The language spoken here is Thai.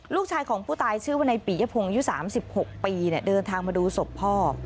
ลูกชายของผู้ตายชื่อว่าในปียพงศ์อายุ๓๖ปีเดินทางมาดูศพพ่อ